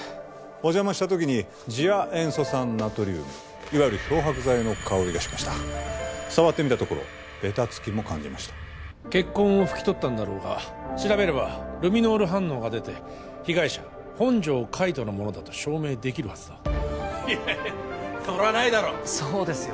お邪魔した時に次亜塩素酸ナトリウムいわゆる漂白剤の香りがしました触ってみたところべたつきも感じました血痕を拭き取ったんだろうが調べればルミノール反応が出て被害者本条海斗のものだと証明できるはずだいやいやそれはないだろそうですよ